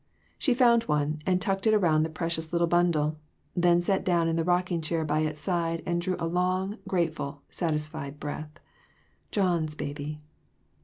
She found one and tucked it about the precious little bundle, then sat down in the rocking chair by its side and drew a long, grateful, satisfied breath John's baby!